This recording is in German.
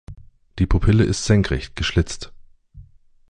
Die Pupille ist senkrecht geschlitzt.